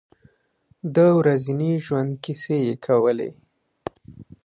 د ورځني ژوند کیسې یې کولې.